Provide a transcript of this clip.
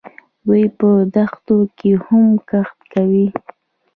دوی په دښتو کې هم کښت کوي.